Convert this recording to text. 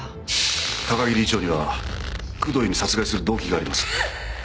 高木理事長には工藤由美を殺害する動機があります。